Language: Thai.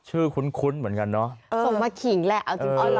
ชื่อคุ้นคุ้นเหมือนกันเนอะเออส่งมาขิงแหละเอาจริงเอาเหรอ